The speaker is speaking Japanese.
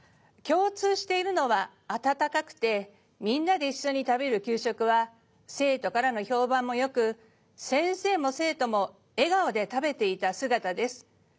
共通しているのは温かくてみんなで一緒に食べる給食は生徒からの評判も良く先生も生徒も笑顔で食べていた姿です。